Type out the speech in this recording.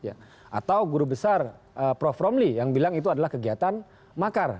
atau guru besar prof romli yang bilang itu adalah kegiatan makar